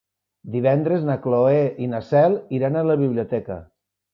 Divendres na Cloè i na Cel iran a la biblioteca.